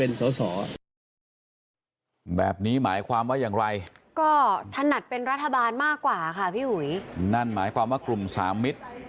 นั่นหมายความว่ากลุ่มสามมิตร